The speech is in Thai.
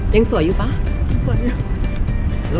ยังสวยอยู่ป่ะยังสวยอยู่